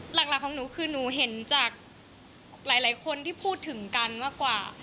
หลักของหนูคือหนูเห็นจากหลายคนที่พูดถึงกันมากกว่า